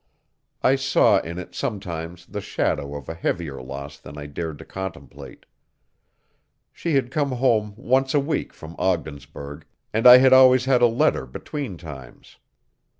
I saw in it sometimes the shadow of a heavier loss than I dared to contemplate. She had come home once a week from Ogdensburg and I had always had a letter between times.